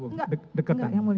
enggak enggak ya mulia